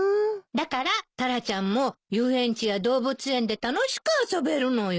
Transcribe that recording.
だからタラちゃんも遊園地や動物園で楽しく遊べるのよ。